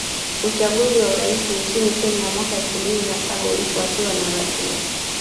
Uchaguzi wa urais nchini Kenya wa mwaka elfu mbili na saba ulifuatiwa na ghasia